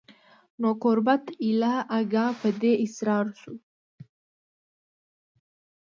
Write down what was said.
نو ګوربت ایله آګاه په دې اسرار سو